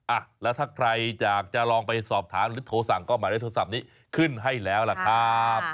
อ่ะแล้วถ้าใครอยากจะลองไปสอบถามหรือโทรสั่งก็หมายเลขโทรศัพท์นี้ขึ้นให้แล้วล่ะครับ